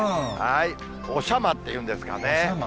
おしゃまっていうんですかね。